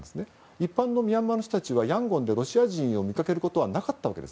一般のミャンマーの人たちはヤンゴンでロシア人を見かけることはなかったわけです。